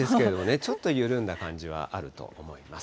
ちょっと緩んだ感じはあると思います。